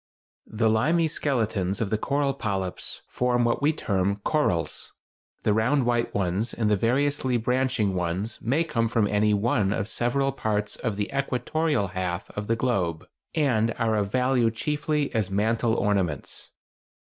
The limy skeletons of the coral polyps form what we term "corals." The round white ones and the variously branching ones may come from any one of several parts of the equatorial half of the globe, and are of value chiefly as mantel ornaments.